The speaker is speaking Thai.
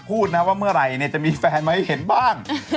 พูดนะว่าเมื่อไหร่เนี่ยจะมีแฟนมาให้เห็นบ้าง